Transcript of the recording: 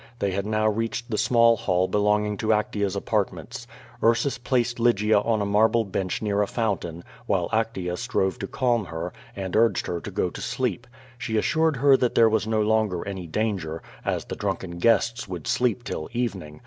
They had now reached the small hall belonging to Aetea's apartments. Ursus placed Lygia on a marble bench near a fountain, while Actea strove to calm her, and urged her to go to sleep. She assured her that there was no longer any danger, as the drunken guests would sleep till evening.